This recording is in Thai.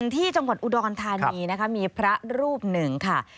ที่จังหวัดอุดรธานีนะคะมีพระรูปหนึ่งค่ะ